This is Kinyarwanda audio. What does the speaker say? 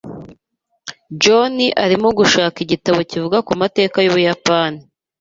John arimo gushaka igitabo kivuga ku mateka y'Ubuyapani.